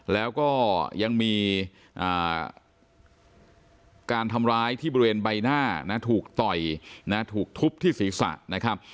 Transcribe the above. แล้วก็ยังมีการทำร้ายที่บริเวณใบหน้านะถูกต่อยนะถูกทุบที่ศีรษะนะครับ